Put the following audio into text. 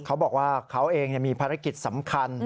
เขาบอกว่าเขาเองมีภารกิจสำคัญ